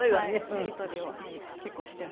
やり取りを結構しています。